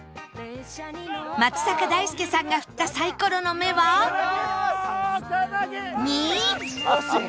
松坂大輔さんが振ったサイコロの目は「２」